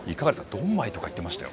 ドンマイとか言ってましたよ。